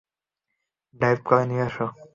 Drive করে নিয়ে এসো।